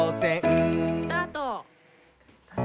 ・スタート！